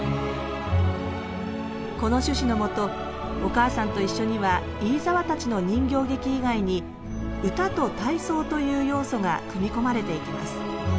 この趣旨の下「おかあさんといっしょ」には飯沢たちの人形劇以外に歌と体操という要素が組み込まれていきます。